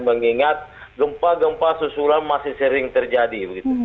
mengingat gempa gempa susulan masih sering terjadi